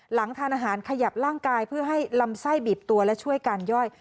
หลังทานอาหารขยับร่างกายเพื่อให้ลำไส้บีบตัวและช่วยการย่อย